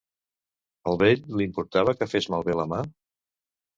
Al vell l'importava que fes malbé la mà?